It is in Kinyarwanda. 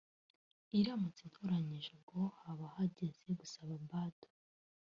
iramutse intoranyije ubwo haba hageze gusa badoo